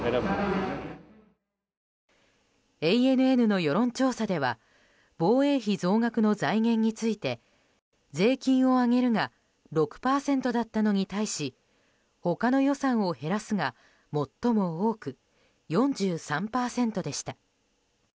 ＡＮＮの世論調査では防衛費増額の財源について税金を上げるが６％だったのに対し他の予算を減らすが最も多く４３％でした。